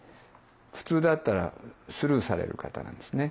普通だったらスルーされる方なんですね。